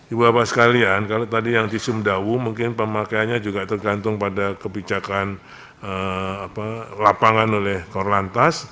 ibu bapak sekalian kalau tadi yang di sumdawu mungkin pemakaiannya juga tergantung pada kebijakan lapangan oleh korlantas